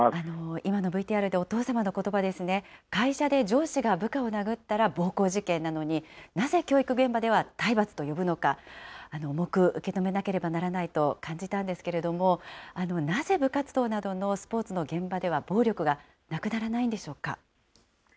今のＶＴＲでお父様のことばですね、会社で上司が部下を殴ったら暴行事件なのに、なぜ教育現場では体罰と呼ぶのか、重く受け止めなければならないと感じたんですけれども、なぜ部活動などのスポーツの現場では暴力がなくならないんでしょうか。